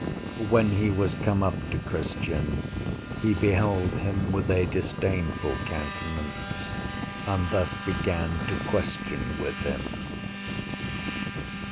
When he was come up to Christian, he beheld him with a disdainful countenance, and thus began to question with him.